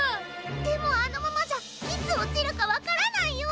でもあのままじゃいつおちるかわからないよ！